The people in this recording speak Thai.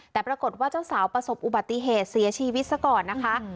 แต่ปรากฏว่าเจ้าสาวประสบอุบัติเหตุเสียชีวิตซะก่อนนะคะ